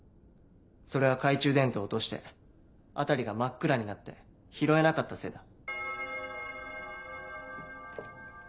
それは懐中電灯を落として辺りが真っ暗になって拾えなかったせいだ。